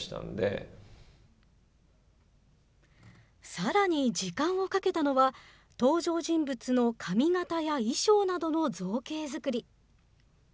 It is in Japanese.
さらに時間をかけたのは、登場人物の髪型や衣装などの造形作り。